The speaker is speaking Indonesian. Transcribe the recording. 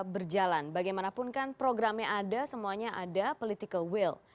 berjalan bagaimanapun kan programnya ada semuanya ada political will